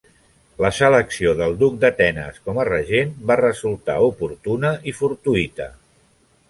La selecció del duc d'Atenes com a regent va resultar oportuna i fortuïta.